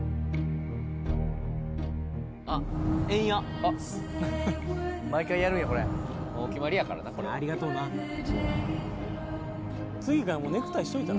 あっエンヤ毎回やるんやこれお決まりやからなこれありがとうな次からネクタイしといたら？